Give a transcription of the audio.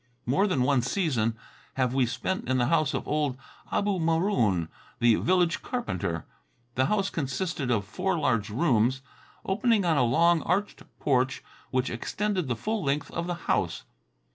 More than one season have we spent in the house of old Abu Maroon, the village carpenter. The house consisted of four large rooms, opening on a long, arched porch which extended the full length of the house.